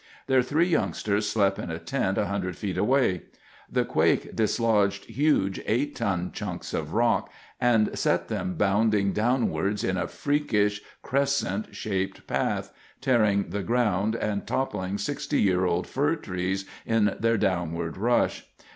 Their three youngsters slept in a tent 100 feet away. The quake dislodged huge, eight ton chunks of rock, and set them bounding downwards in a freakish, crescent shaped path, tearing the ground, and toppling 60 year old fir trees in their downward rush.